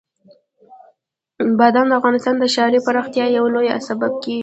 بادام د افغانستان د ښاري پراختیا یو لوی سبب کېږي.